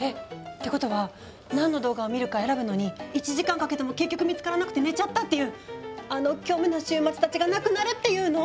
ってことは何の動画を見るか選ぶのに１時間かけても結局見つからなくて寝ちゃったっていうあの虚無の週末たちがなくなるっていうの？